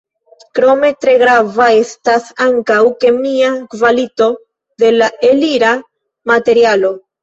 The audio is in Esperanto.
Krome, tre grava estas ankaŭ kemia kvalito de la elira materialo.